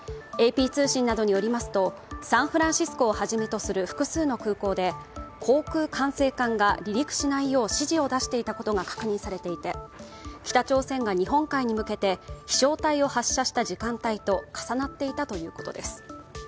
ＡＰ通信などによりますとサンフランシスコをはじめとする複数の空港で航空管制官が離陸しないよう指示を出していたことが確認されていて北朝鮮が日本海に向けて飛翔体を発射した時間帯と重なっていたということです。